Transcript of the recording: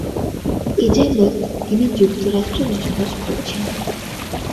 এযাবৎ তিনি যুক্তরাষ্ট্রে বসবাস করছেন।